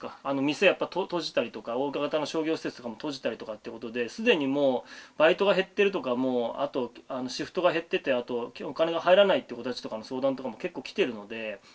店やっぱ閉じたりとか大型の商業施設とかも閉じたりとかってことで既にもうバイトが減ってるとかあとシフトが減っててあとお金が入らないって子たちとかの相談とかも結構来てるので。